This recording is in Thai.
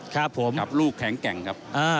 ครับผมกลับลูกแข็งแกร่งครับอ่า